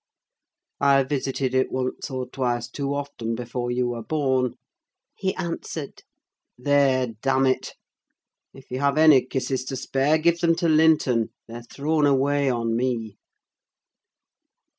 "I visited it once or twice too often before you were born," he answered. "There—damn it! If you have any kisses to spare, give them to Linton: they are thrown away on me."